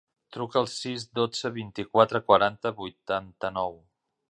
Truca al sis, dotze, vint-i-quatre, quaranta, vuitanta-nou.